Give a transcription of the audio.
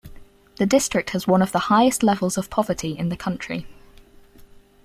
The district has one of the highest levels of poverty in the country.